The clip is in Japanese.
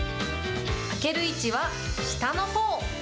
開ける位置は下のほう。